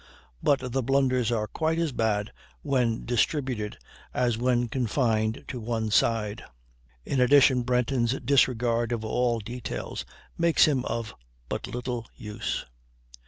But the blunders are quite as bad when distributed as when confined to one side; in addition, Brenton's disregard of all details makes him of but little use.